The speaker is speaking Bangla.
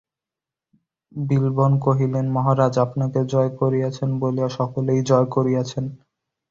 বিল্বন কহিলেন, মহারাজ, আপনাকে জয় করিয়াছেন বলিয়া সকলকেই জয় করিয়াছেন।